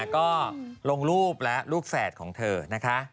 ก็ลงรูปและรูปแฝดของเธอนะคะ